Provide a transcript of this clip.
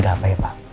ada apa ya pak